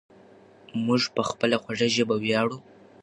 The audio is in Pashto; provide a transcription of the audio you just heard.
موږ په خپله خوږه ژبه ویاړو.